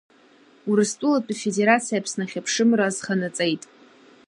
Урыстәылатәи Афедерациа Аԥсны ахьыԥшымра азханаҵеит.